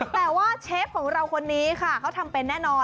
แต่ว่าเชฟของเราคนนี้ค่ะเขาทำเป็นแน่นอน